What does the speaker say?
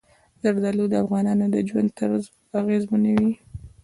زردالو د افغانانو د ژوند طرز اغېزمنوي.